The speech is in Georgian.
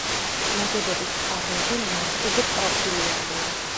ნაგებობის კარნიზი მარტივპროფილიანია.